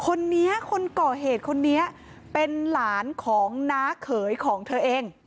คนนี้คนก่อเหตุคนนี้เป็นหลานของน้าเขยของเธอเอง